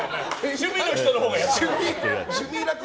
趣味の人のほうがやってるよ。